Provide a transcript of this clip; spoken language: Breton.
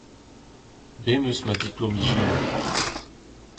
Bet em eus ma diplom jinour.